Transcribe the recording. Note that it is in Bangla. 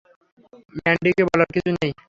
ম্যান্ডিকে বলার কিছু নেই।